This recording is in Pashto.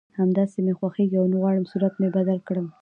همداسې مې خوښېږي او نه غواړم صورت مې بدل کړم